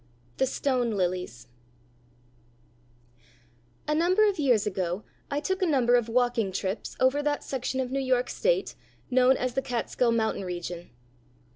THE STONE LILIES A number of years ago I took a number of walking trips over that section of New York state known as the Catskill Mountain region.